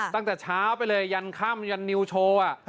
ตั้งแต่เช้าไปเลยยันค่ำยันนิวโชว์